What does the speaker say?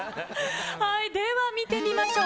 では、見てみましょう。